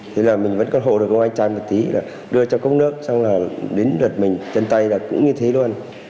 thấy là mình vẫn còn hộ được ông anh trai một tí là đưa cho cốc nước xong là đến đợt mình chân tay là cũng như thế luôn